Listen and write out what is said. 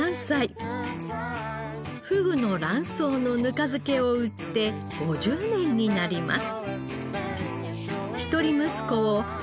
ふぐの卵巣の糠漬けを売って５０年になります。